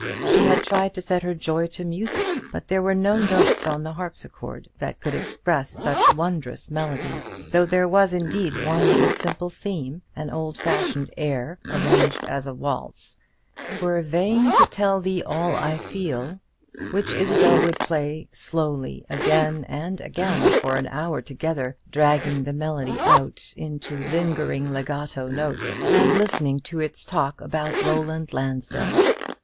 She had tried to set her joy to music; but there were no notes on the harpsichord that could express such wondrous melody; though there was indeed one little simple theme, an old fashioned air, arranged as a waltz, "'Twere vain to tell thee all I feel," which Isabel would play slowly, again and again, for an hour together, dragging the melody out in lingering legato notes, and listening to its talk about Roland Lansdell.